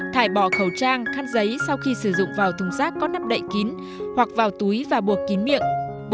thải bỏ khẩu trang khăn giấy sau khi sử dụng vào thùng rác có nắp đậy kín hoặc vào túi và buộc kín miệng